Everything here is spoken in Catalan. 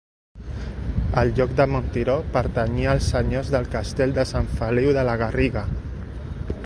El lloc de Montiró pertanyia als senyors del castell de Sant Feliu de la Garriga.